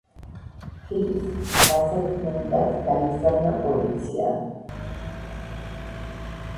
ხიდის გასაწმენდან გაიგზავნა პოლიცია.